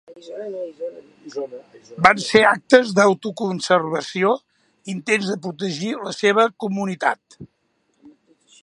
Van ser actes d'autoconservació, intents de protegir la seva comunitat.